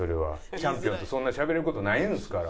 チャンピオンとそんなしゃべれる事ないんですから。